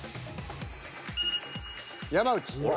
山内。